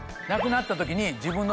なくなった時に。